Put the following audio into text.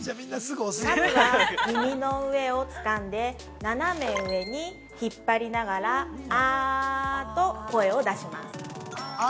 ◆まずは、耳の上をつかんで斜め上に引っ張りながら「アー」と声を出します。